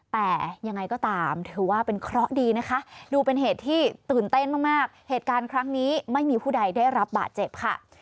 แต่ยังไงก็ตามถือว่าเป็นเคราะห์ดีนะคะดูเป็นเหตุที่ตื่นเต้นมากเหตุการณ์ครั้งนี้ไม่มีผู้ใดได้รับบาดเจ็บค่ะ